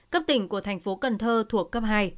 cấp tỉnh của tp cần thơ thuộc cấp hai